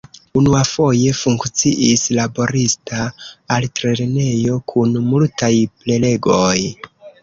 Unuafoje funkciis laborista altlernejo, kun multaj prelegoj.